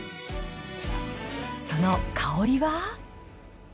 その香りは。